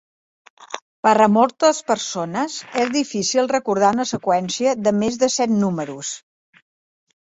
Per a moltes persones és difícil recordar una seqüència de més de set números